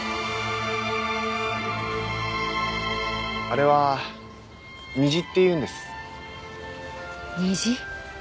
あれは虹っていうんです。